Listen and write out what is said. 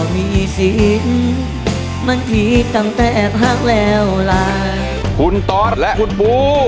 ได้เพียงหนึ่งคนครับ